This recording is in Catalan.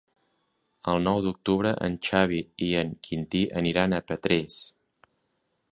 El nou d'octubre en Xavi i en Quintí aniran a Petrés.